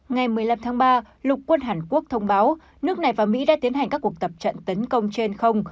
ngày một mươi năm tháng ba lục quân hàn quốc thông báo nước này và mỹ đã tiến hành các cuộc tập trận tấn công trên không